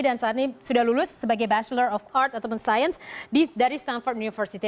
dan saat ini sudah lulus sebagai bachelor of art ataupun science dari stanford university